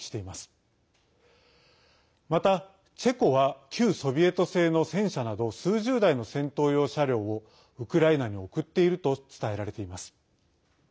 また、チェコは旧ソビエト製の戦車など数十台の戦闘用車両をウクライナに送っていると伝えられています。